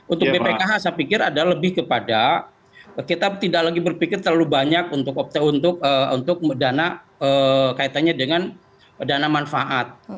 untuk bpkh saya pikir adalah lebih kepada kita tidak lagi berpikir terlalu banyak untuk dana kaitannya dengan dana manfaat